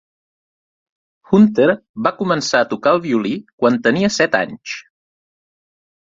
Hunter va començar a tocar el violí quan tenia set anys.